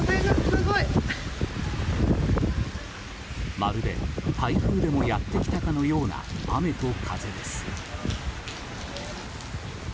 まるで台風でもやってきたかのような雨と風です。